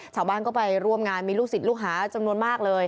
ชาวบ้านก็ไปร่วมงานมีลูกศิษย์ลูกหาจำนวนมากเลย